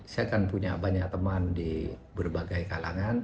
saya kan punya banyak teman di berbagai kalangan